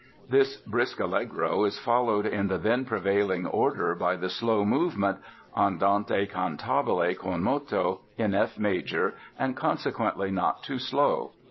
This brisk Allegro is followed in the then prevailing order by the slow movement ("Andante cantabile con moto," in F major and consequently not too slow).